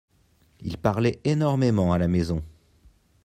Il parlait énormément à la maison.